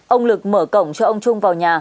ông lực mở cổng cho ông trung vào nhà